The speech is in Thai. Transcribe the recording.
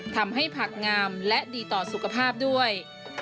ผักงามและดีต่อสุขภาพด้วย